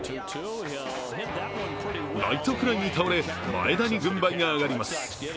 ライトフライに倒れ前田に軍配が上がります。